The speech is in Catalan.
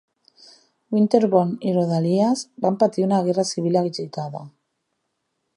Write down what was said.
Winterbourne i rodalies van patir una Guerra Civil agitada.